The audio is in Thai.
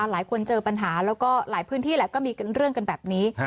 เจอปัญหาแล้วก็หลายพื้นที่แหละก็มีเรื่องกันแบบนี้